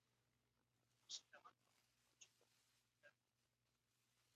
Hasi da marka guztiak hautsiko dituen deialdia.